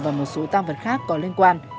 và một số tam vật khác có liên quan